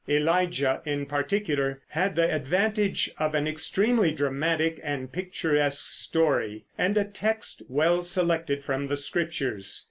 "Elijah," in particular, had the advantage of an extremely dramatic and picturesque story, and a text well selected from the Scriptures.